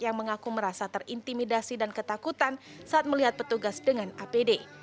yang mengaku merasa terintimidasi dan ketakutan saat melihat petugas dengan apd